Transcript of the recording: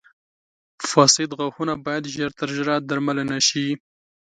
• فاسد غاښونه باید ژر تر ژره درملنه شي.